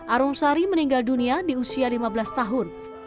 arumsari meninggal dunia di usia lima belas tahun